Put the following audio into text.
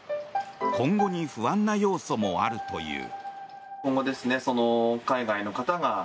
今後に不安な要素もあるという。